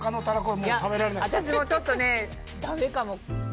いや私もちょっとねダメかも。